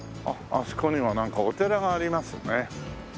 あそこにはなんかお寺がありますね。